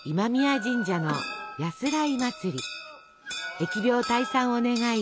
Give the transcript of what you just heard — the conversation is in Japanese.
疫病退散を願い